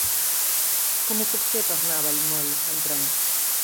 Com ho puc fer per anar a Vallmoll amb tren?